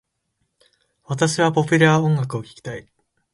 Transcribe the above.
私はポピュラー音楽を聞きたい。